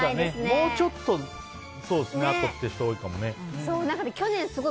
もうちょっとあとって人が多いですね。